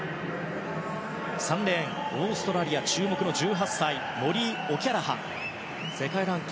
３レーン、オーストラリア注目の１８歳モリー・オキャラハン。